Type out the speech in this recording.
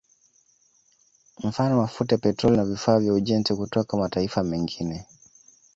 Mfano mafuta ya Petroli na vifaa vya ujenzi kutoka mataifa mengine